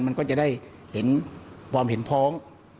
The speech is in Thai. มันก็จะได้เห็นความเห็นพ้อง